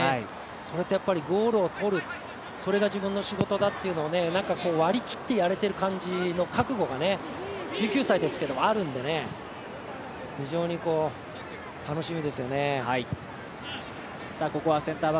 それと、ゴールをとるそれが自分の仕事だって割り切ってやれてる感じの覚悟が１９歳ですけど、あるんでね非常に、楽しみですよね。